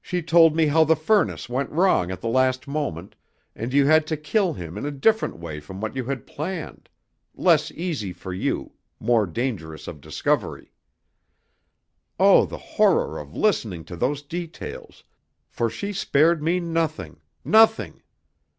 She told me how the furnace went wrong at the last moment and you had to kill him in a different way from what you had planned less easy for you, more dangerous of discovery. Oh, the horror of listening to those details, for she spared me nothing nothing!